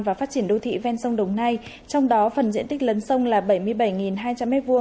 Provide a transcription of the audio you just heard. và phát triển đô thị ven sông đồng nai trong đó phần diện tích lấn sông là bảy mươi bảy hai trăm linh m hai